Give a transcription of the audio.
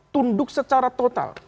tunduk secara total